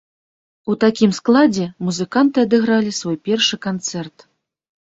У такім складзе музыканты адыгралі свой першы канцэрт.